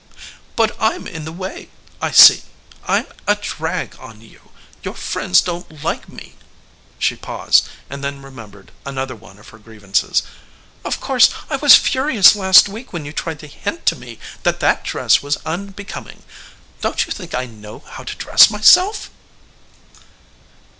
"But I'm in the way, I see. I'm a drag on you. Your friends don't like me." She paused, and then remembered another one of her grievances. "Of course I was furious last week when you tried to hint to me that that dress was unbecoming. Don't you think I know how to dress myself?"